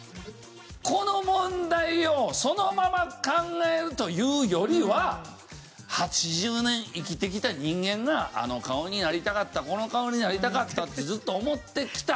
この問題をそのまま考えるというよりは８０年生きてきた人間があの顔になりたかったこの顔になりたかったってずっと思ってきた。